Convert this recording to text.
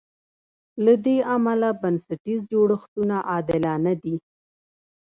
له دې امله بنسټیز جوړښتونه عادلانه دي.